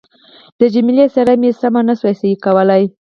د جميله څېره مې سمه نه شوای صحیح کولای.